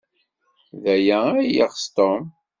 D aya ay yeɣs Tom.